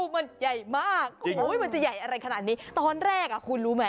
มันใหญ่มากมันจะใหญ่อะไรขนาดนี้ก่อนแรกคุณรู้มั้ย